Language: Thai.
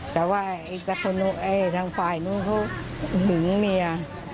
แต่ว่าไอ้จักรคนนู้นไอ้ทางฝ่ายนู้นเขาหึงเมีย